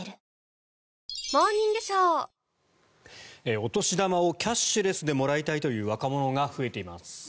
お年玉をキャッシュレスでもらいたいという若者が増えています。